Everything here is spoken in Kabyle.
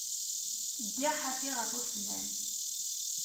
Ddiɣ ḥafi ɣef usennan.